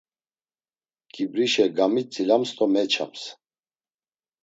Ǩibrişe gamitzilams do meçams.